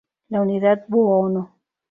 La unidad Buono!